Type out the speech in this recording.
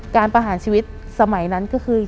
ประหารชีวิตสมัยนั้นก็คือ